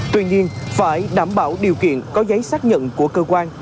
tuy nhiên phải đảm bảo điều kiện có giấy xác nhận của cơ quan